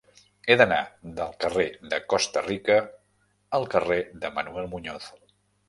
He d'anar del carrer de Costa Rica al carrer de Manuel Muñoz.